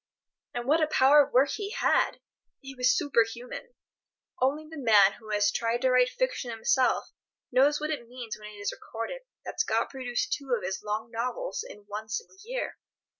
And what a power of work he had! It was superhuman. Only the man who has tried to write fiction himself knows what it means when it is recorded that Scott produced two of his long novels in one single year.